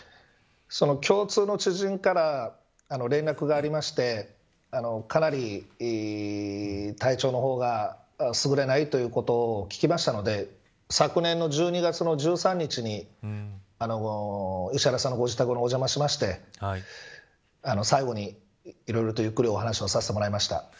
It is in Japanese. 共通の知人から連絡がありましてかなり体調の方がすぐれないということを聞きましたので昨年の１２月の１３日に石原さんのご自宅の方にお邪魔しまして最後にいろいろとゆっくりお話をさせてもらいました。